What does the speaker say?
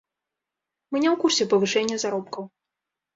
Мы не ў курсе павышэння заробкаў.